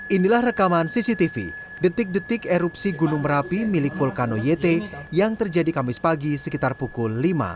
inilah rekaman cctv detik detik erupsi gunung merapi milik vulkano yt yang terjadi kamis pagi sekitar pukul lima